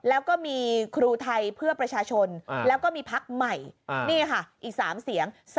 แล้วก็มีครูไทยเพื่อประชาชนแล้วก็มีพักใหม่นี่ค่ะอีก๓เสียง